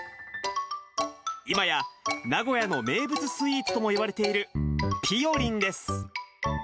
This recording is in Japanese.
今や名古屋の名物スイーツとも言われている、ぴよりんです。